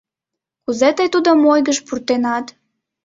Кузе тый тудым ойгыш пуртенат?..